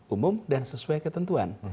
umum dan sesuai ketentuan